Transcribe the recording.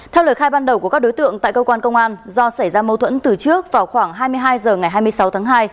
theo lời khai ban đầu của các đối tượng tại cơ quan công an do xảy ra mâu thuẫn từ trước vào khoảng hai mươi hai h ngày hai mươi sáu tháng hai